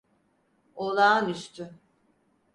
Olağanüstü.